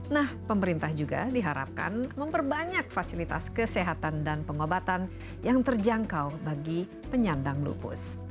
nah pemerintah juga diharapkan memperbanyak fasilitas kesehatan dan pengobatan yang terjangkau bagi penyandang lupus